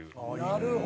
なるほど。